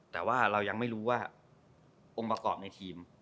แต่ว่าเรายังไม่รู้ว่าองค์ประกอบในทีม